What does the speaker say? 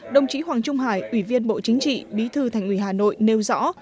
đồng chí hoàng trung hải ủy viên bộ chính trị bí thư thành ủy hà nội nêu rõ